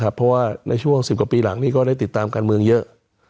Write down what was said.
เวลาปีหลังก็ได้ติดตามการเมืองเยอะ